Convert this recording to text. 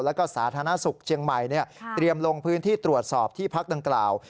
แล้วก็สาธารณสุขเชียงใหม่เตรียมลงพื้นที่ตรวจสอบที่พักดังกล่าว